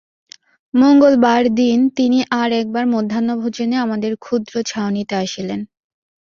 মঙ্গলবার দিন তিনি আর একবার মধ্যাহ্নভোজনে আমাদের ক্ষুদ্র ছাউনিতে আসিলেন।